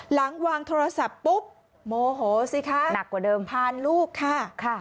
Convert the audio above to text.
หลังวางโทรศัพท์ปุ๊บโมโหสิค่ะผ่านลูกค่ะ